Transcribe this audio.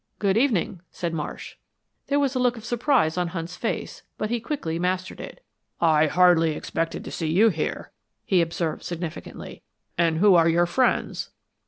"Good evening," said Marsh. There was a look of surprise on Hunt's face, but he quickly mastered it. "I hardly expected to see you here," he observed, significantly. "And who are your friends?"